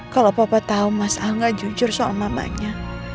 kalau papa tau mas al gak jujur soal mamanya